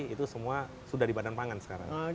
itu semua sudah di badan pangan sekarang